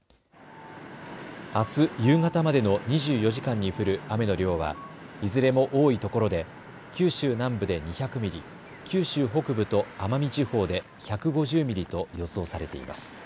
あす夕方までの２４時間に降る雨の量は、いずれも多いところで九州南部で２００ミリ、九州北部と奄美地方で１５０ミリと予想されています。